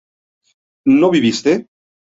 ¿no viviste?